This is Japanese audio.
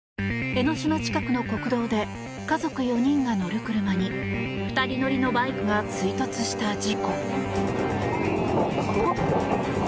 江の島近くの国道で家族４人が乗る車に２人乗りのバイクが追突した事故。